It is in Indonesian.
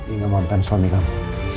ingat mantan suami kamu